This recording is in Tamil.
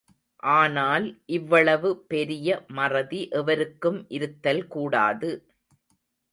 ஆனால் இவ்வளவு பெரிய மறதி எவருக்கும் இருத்தல் கூடாது.